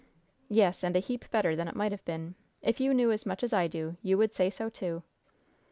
"Yes, and a heap better than it might have been. If you knew as much as I do, you would say so, too!"